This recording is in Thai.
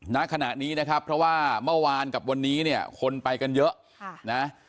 ณขณะนี้นะครับเพราะว่าเมื่อวานกับวันนี้เนี่ยคนไปกันเยอะนะ